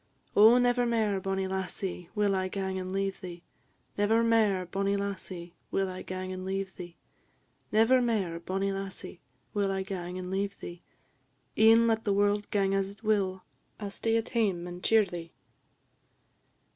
"Oh, never mair, bonnie lassie, will I gang and leave thee! Never mair, bonnie lassie, will I gang and leave thee; Never mair, bonnie lassie, will I gang and leave thee; E'en let the world gang as it will, I 'll stay at hame and cheer ye."